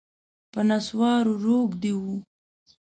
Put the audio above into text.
په نسوارو روږدی و